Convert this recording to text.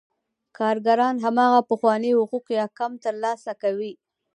کارګران هماغه پخواني حقوق یا کم ترلاسه کوي